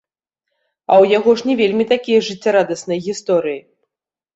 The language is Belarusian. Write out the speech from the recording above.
А ў яго ж не вельмі такія жыццярадасныя гісторыі.